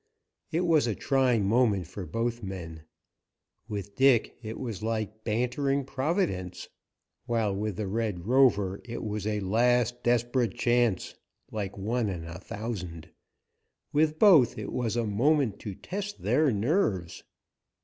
It was a trying moment for both men. With Dick it was like bantering Providence, while with the Red Rover it was a last desperate chance, like one in a thousand. With both it was a moment to test their nerves.